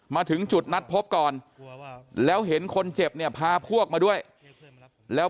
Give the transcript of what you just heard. มาถึงจุดนัดพบก่อนแล้วเห็นคนเจ็บเนี่ยพาพวกมาด้วยแล้ว